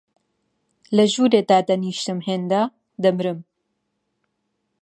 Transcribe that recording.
لە ژوورێ دادەنیشم هێندە، دەمرم